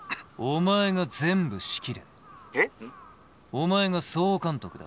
お前が総監督だ。